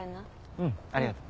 うんありがとう。